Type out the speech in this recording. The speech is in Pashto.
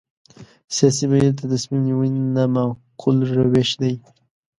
سیاسي بهیر د تصمیم نیونې نامعقول روش دی.